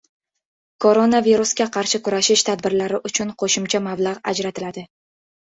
Koronavirusga qarshi kurashish tadbirlari uchun qo‘shimcha mablag‘ ajratiladi